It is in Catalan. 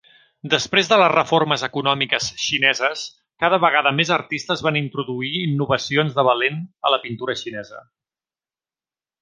Després de les reformes econòmiques xineses, cada vegada més artistes van introduir innovacions de valent a la Pintura Xinesa.